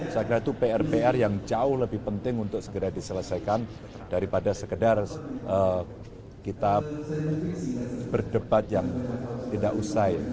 saya kira itu pr pr yang jauh lebih penting untuk segera diselesaikan daripada sekedar kita berdebat yang tidak usai